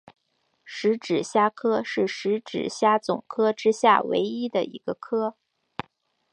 匙指虾科是匙指虾总科之下唯一的一个科。